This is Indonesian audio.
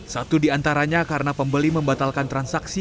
satu di antaranya karena pembeli membatalkan transaksi